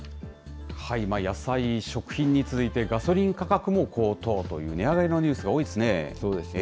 野菜、食品に続いて、ガソリン価格も高騰という、値上がりのそうですね。